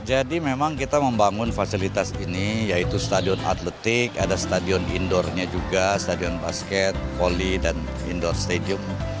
jadi memang kita membangun fasilitas ini yaitu stadion atletik ada stadion indoornya juga stadion basket volley dan indoor stadium